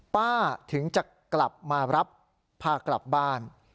ถึงจะกลับมารับพากลับบ้าน